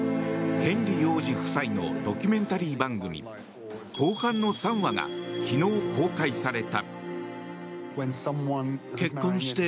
ヘンリー王子夫妻のドキュメンタリー番組後半の３話が昨日、公開された。